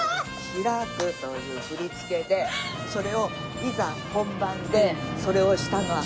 開くという振り付けでそれをいざ本番でそれをしたのは私１人だけ。